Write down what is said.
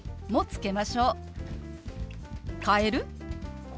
「変える？」。